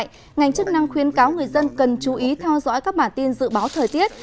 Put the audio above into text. tại đây ngành chức năng khuyên cáo người dân cần chú ý theo dõi các bản tin dự báo thời tiết